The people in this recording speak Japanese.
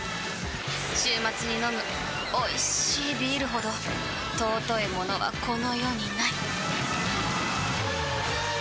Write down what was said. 週末に飲むおいしいビールほど尊いものはこの世にない！